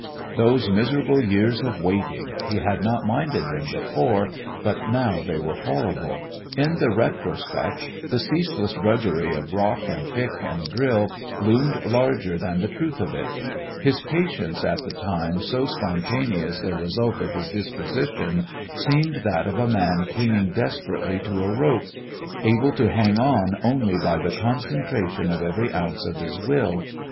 Those miserable years of waiting! He had not minded them before, but now they were horrible. In the retrospect the ceaseless drudgery of rock and pick and drill loomed larger than the truth of it; his patience, at the time so spontaneous a result of his disposition, seemed that of a man clinging desperately to a rope, able to hang on only by the concentration of every ounce of his will.